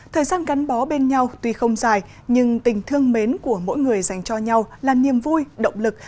thời gian gắn bó bên nhau tuy không dài nhưng tình thương mến của mỗi người dành cho nhau là niềm vui động lực